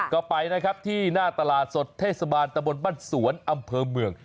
ก็ไปนะครับที่หน้าตลาดสดเทศบาลตะบนบ้านสวนอำเภอเมือง